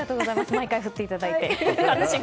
毎回振っていただいて。